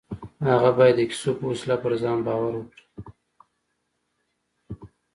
هغه بايد د کيسو په وسيله پر ځان باور کړي.